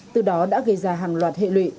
từ đó đã gây ra hàng loạt hệ lụy